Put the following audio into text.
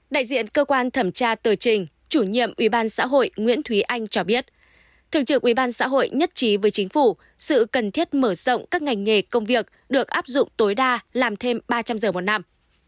đại diện cơ quan thẩm tra tờ trình chủ nhiệm ubnd nguyễn thúy anh cho biết thượng trưởng ubnd nhất trí với chính phủ sự cần thiết mở rộng các ngành nghề công việc được áp dụng tối đa làm thêm ba trăm linh giờ một năm